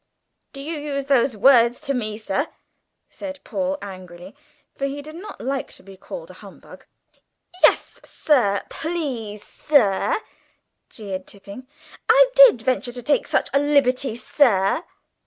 "Do you use those words to me, sir?" said Paul angrily, for he did not like to be called a humbug. "Yes, sir, please, sir," jeered Tipping; "I did venture to take such a liberty, sir."